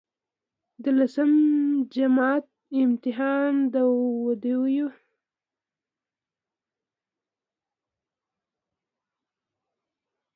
د لسم جمات امتحان د ودوديه هائي سکول سوات نه پاس کړو